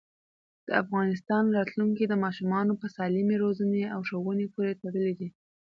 د افغانستان راتلونکی د ماشومانو په سالمې روزنې او ښوونې پورې تړلی دی.